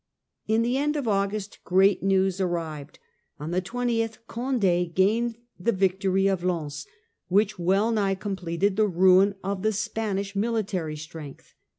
In the end of August great news arrived. On the 20th Condd gained the victory of Lens, which well victory of nigh completed the ruin of the Spanish So "1648 U *' militar y strength.